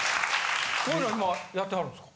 こういうの今やってはるんですか。